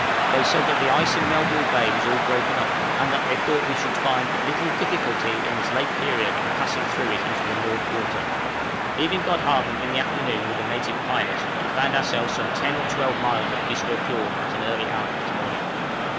They said that the ice in Melville Bay was all broken up, and that they thought we should find but little difficulty at this late period in passing through it into the North Water. {DISCO FIORD.} Leaving Godhaven in the afternoon with a native pilot, we found ourselves some 10 or 12 miles up Disco Fiord at an early hour next morning.